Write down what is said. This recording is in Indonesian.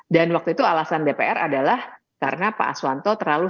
dan waktu itu alasan dpr adalah karena pak aswanto terlalu seru